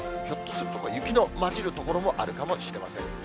ひょっとすると雪の交じる所もあるかもしれません。